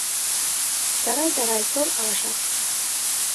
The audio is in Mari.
Тарай-тарай тор алашат